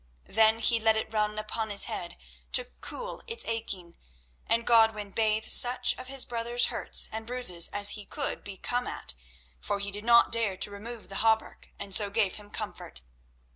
Then he let it run upon his head to cool its aching; and Godwin bathed such of his brother's hurts and bruises as could be come at, for he did not dare to remove the hauberk, and so gave him comfort.